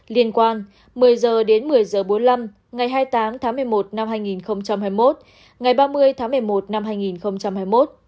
liên quan một mươi h đến một mươi h bốn mươi năm ngày hai mươi tám tháng một mươi một năm hai nghìn hai mươi một ngày ba mươi tháng một mươi một năm hai nghìn hai mươi một